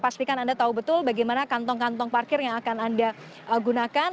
pastikan anda tahu betul bagaimana kantong kantong parkir yang akan anda gunakan